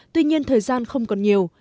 tuy nhiên thời gian không còn nhiều